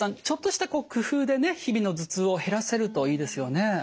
ちょっとした工夫でね日々の頭痛を減らせるといいですよね。